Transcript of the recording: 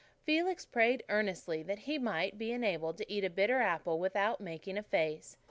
Felix prayed earnestly that he might be enabled to eat a bitter apple without making a face.